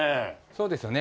そうですよね。